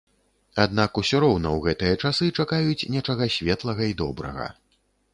Аднак усё роўна ў гэтыя часы чакаюць нечага светлага і добрага.